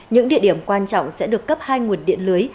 những địa điểm quan trọng sẽ được cấp hai nguồn điện lưới